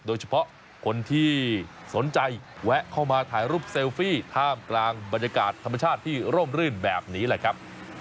โดยเฉพาะคนที่สนใจแวะเข้ามาถ่ายรูปเซลฟี่ท่ามกลางบรรยากาศธรรมชาติที่ร่มรื่นแบบนี้แหละครับ